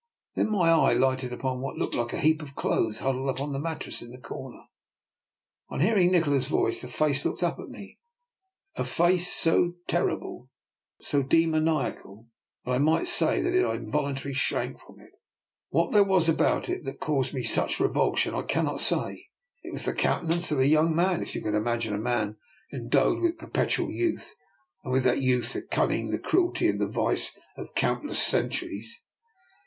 Then my eye lighted on what looked like a heap of clothes huddled up on a mattress in the corner. On hearing Ni kola's voice a face looked up at me, a face so terrible, so demoniacal I might say, that I in voluntarily shrank from it. What there was about it that caused me such revulsion, I can not say. It was the countenance of a young man, if you can imagine a man endowed with perpetual youth, and with that youth the cun ning, the cruelty, and the vice of countless centuries.